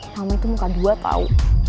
malmai tuh muka dua tau